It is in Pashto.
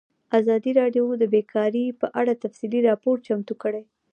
ازادي راډیو د بیکاري په اړه تفصیلي راپور چمتو کړی.